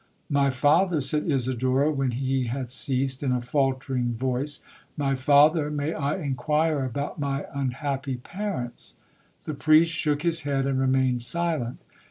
'My father,' said Isidora, when he had ceased, in a faultering voice, 'My father, may I inquire about my unhappy parents?' The priest shook his head, and remained silent.